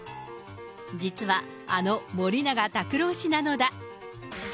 実はあの森永卓郎氏なのだ。